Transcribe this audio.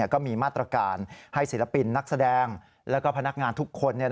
ก็มีมาตรการให้ศิลปินนักแสดงและพนักงานทุกคน